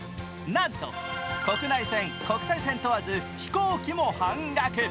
なんと国内線、国際線問わず飛行機も半額。